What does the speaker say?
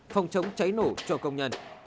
phòng chống cháy nổ cho công nhân